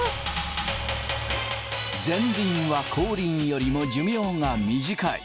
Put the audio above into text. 前輪は後輪よりも寿命が短い。